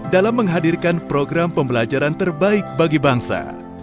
dalam menghadirkan program pembelajaran terbaik bagi bangsa